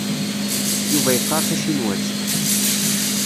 Yuba yeqqar tacinwat.